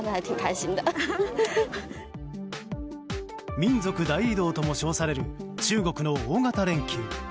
民族大移動とも称される中国の大型連休。